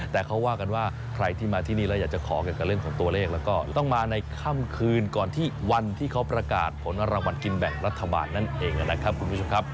แต่เขาว่ากันว่าใครที่มาที่นี่แล้วอยากจะขอเกี่ยวกับเรื่องของตัวเลขแล้วก็ต้องมาในค่ำคืนก่อนที่วันที่เขาประกาศผลรางวัลกินแบ่งรัฐบาลนั่นเองนะครับคุณผู้ชมครับ